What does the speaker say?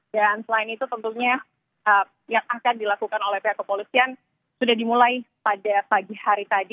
dan selain itu tentunya yang akan dilakukan oleh pihak kepolisian sudah dimulai pada pagi hari tadi